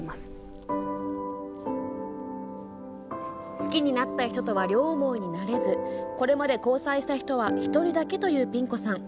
好きになった人とは両思いになれずこれまで交際した人は１人だけというピン子さん。